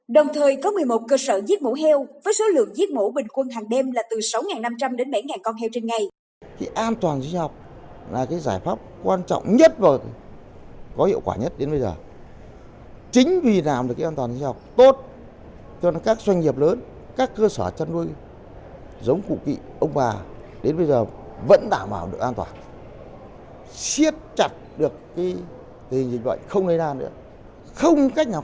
đồng thời có một mươi một cơ sở giết mổ heo với số lượng giết mổ bình quân hàng đêm là từ sáu năm trăm linh đến bảy con heo trên ngày